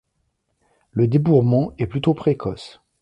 Le débourrement est plutôt précoce.